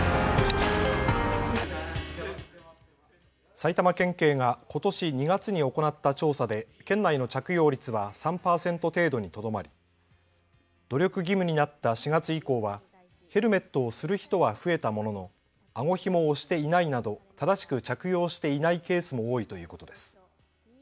埼玉県警がことし２月に行った調査で県内の着用率は３％程度にとどまり努力義務になった４月以降はヘルメットをする人は増えたもののあごひもをしていないなど正しく着用していないケースも多いということです。